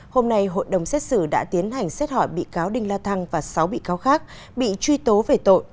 hôm nay hội đồng xét xử đã tiến hành xét hỏi bị cáo đinh la thăng và sáu bị cáo khác bị truy tố về tội